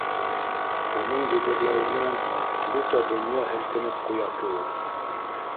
Уның дөбөрләүенән бөтә донъя һелкенеп ҡуя кеүек.